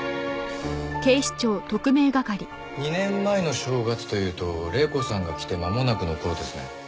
２年前の正月というと黎子さんが来て間もなくの頃ですね。